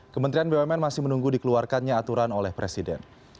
kementerian bumn masih menunggu dikeluarkannya aturan oleh presiden